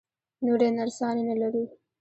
نورې نرسانې نه لرو؟